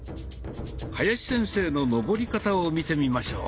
林先生の上り方を見てみましょう。